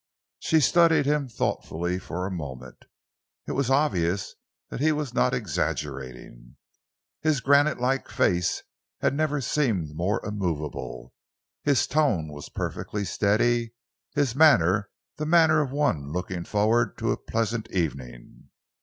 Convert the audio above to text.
She studied him thoughtfully for a moment. It was obvious that he was not exaggerating. His granite like face had never seemed more immovable. His tone was perfectly steady, his manner the manner of one looking forward to a pleasant evening.